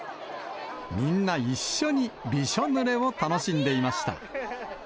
みんな一緒にびしょぬれを楽しんでいました。